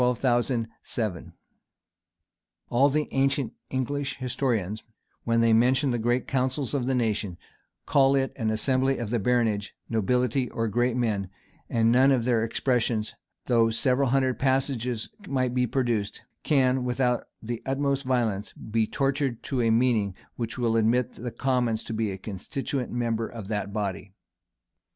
[] All the ancient English historians, when they mention the great council of the nation, call it an assembly of the baronage, nobility, or great men; and none of their expressions, though several hundred passages might be produced, can, without the utmost violence, be tortured to a meaning which will admit the commons to be constituent members of that body.